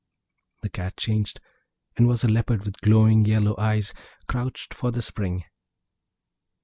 The Cat changed, and was a Leopard with glowing yellow eyes, crouched for the spring.